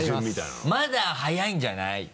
まだ早いんじゃない？